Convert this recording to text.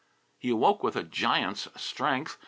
He awoke with a giant's strength.